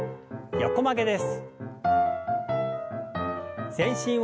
横曲げです。